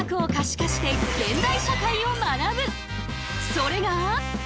それが。